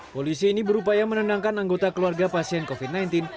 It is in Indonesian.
polisi ini berupaya menenangkan anggota keluarga pasien covid sembilan belas